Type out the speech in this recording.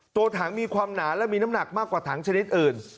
ตัวถังมีความหนาและมีน้ำหนักมากกว่าถังชนิดอื่น